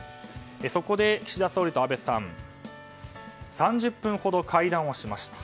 そこで、岸田総理と安倍さん３０分ほど会談をしました。